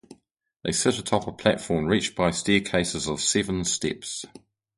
They sit atop a platform reached by staircases of seven steps.